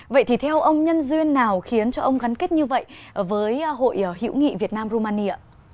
vậy thì theo ông nhân duyên nào khiến cho ông gắn kết như vậy với hội hữu nghị việt nam jumani ạ